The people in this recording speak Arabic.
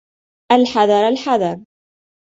الْحَذَرَ الْحَذَرَ